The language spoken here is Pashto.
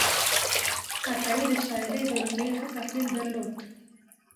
عطایي د شاعرۍ د روحیې ښه تحلیل درلود.